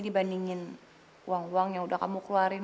dibandingin uang uang yang udah kamu keluarin